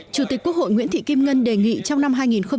chủ tịch quốc hội nguyễn thị kim ngân đề nghị trong năm hai nghìn một mươi bảy